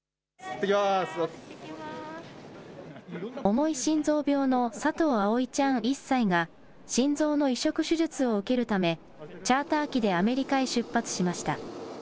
重い心臓病の佐藤葵ちゃん１歳が、心臓の移植手術を受けるため、チャーター機でアメリカへ出発しました。